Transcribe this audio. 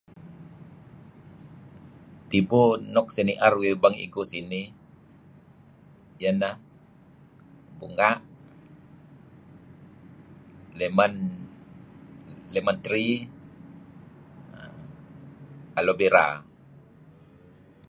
Tibu nuk sinier uih bang igu sinih iyeh ineh bunga', lemon, lemon tree, Aloe Vera.